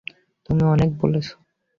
তুমি অনেক বলেছো।